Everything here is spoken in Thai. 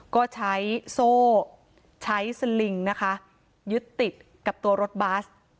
ก็ใช้โซ่ใช้สลิงนะคะยึดติดกับตัวรถบัส